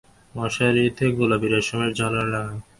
মশারিতে গোলাপি রেশমের ঝালর লাগানো।